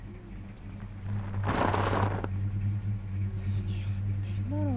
何やってんだろ？